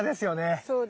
そうですね。